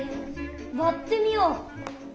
わってみよう。